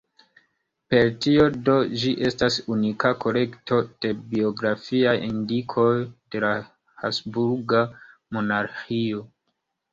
Per tio do ĝi estas unika kolekto de biografiaj indikoj de la habsburga monarĥio.